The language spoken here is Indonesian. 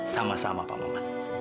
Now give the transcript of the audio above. sama sama pak maman